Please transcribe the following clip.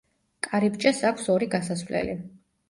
კარიბჭეს აქვს ორი გასასვლელი.